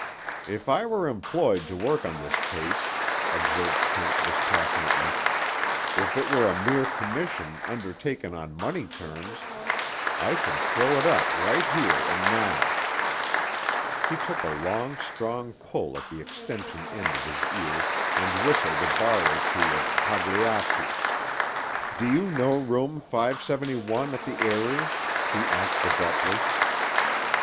"If I were employed to work on this case," observed Kent dispassionately; "if it were a mere commission, undertaken on money terms, I should throw it up right here and now." He took a long strong pull at the extension end of his ear, and whistled a bar or two of Pagliacci. "Do you know room 571 at the Eyrie?" he asked abruptly.